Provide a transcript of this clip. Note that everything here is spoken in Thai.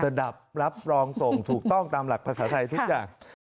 ดับรับรองส่งถูกต้องตามหลักภาษาไทยทุกอย่าง